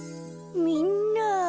みんな。